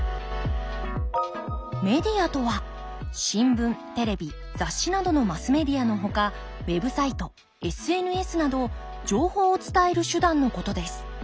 メディアとは新聞テレビ雑誌などのマスメディアのほかウェブサイトＳＮＳなど情報を伝える手段のことです。